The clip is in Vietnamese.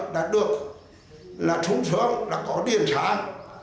đã được là trúng sướng là có điện sáng